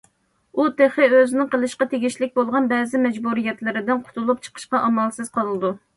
ئۇ تېخى ئۆزىنىڭ قىلىشقا تېگىشلىك بولغان بەزى مەجبۇرىيەتلىرىدىن قۇتۇلۇپ چىقىشقا ئامالسىز قالىدۇ.